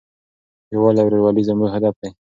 یووالی او ورورولي زموږ هدف دی.